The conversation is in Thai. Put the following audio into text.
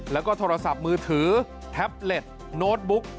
แล้วก็โทรศัพท์มือถือแท็บเล็ตโน้ตบุ๊ก